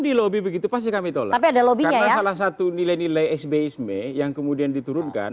di lobi begitu pasti kami tolak ada lobi salah satu nilai nilai sbiisme yang kemudian diturunkan